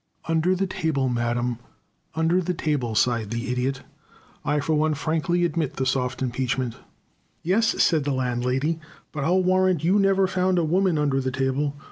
"Under the table, Madame, under the table," sighed the Idiot. "I for one frankly admit the soft impeachment." "Yes," said the Landlady, "but I'll warrant you never found a woman under the table.